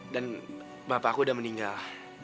dan bapak aku udah meninggal